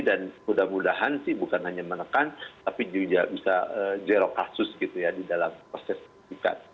dan mudah mudahan sih bukan hanya menekan tapi juga bisa zero kasus gitu ya di dalam proses pendidikan